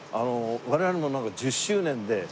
我々も１０周年で。